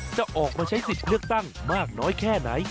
จะออกมาใช้สิทธิ์เลือกตั้งมากน้อยแค่ไหน